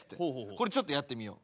これちょっとやってみよう。